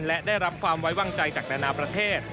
และได้รับความไว้วางใจจากนานาประเทศ